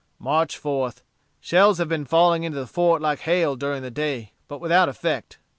"March 4th. Shells have been falling into the fort like hail during the day, but without effect.